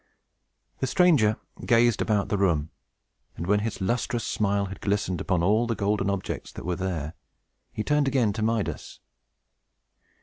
The stranger gazed about the room; and when his lustrous smile had glistened upon all the golden objects that were there, he turned again to Midas.